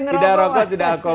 tidak berokok tidak alkohol